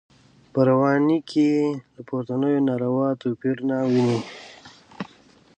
په رواني کې یې له پورتنیو نارو توپیر نه ویني.